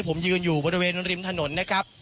ผมยืนอยู่บริเวณริมถนนนะครับ